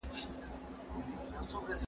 ایا تاسو نوې څېړنه کوئ؟